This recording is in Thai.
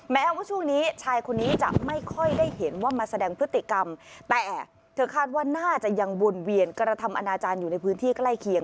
แม้ว่าช่วงนี้ชายคนนี้จะไม่ค่อยได้เห็นว่ามาแสดงพฤติกรรมแต่เธอคาดว่าน่าจะยังวนเวียนกระทำอนาจารย์อยู่ในพื้นที่ใกล้เคียง